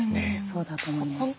そうだと思います。